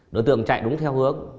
đối tượng chạy đúng theo hước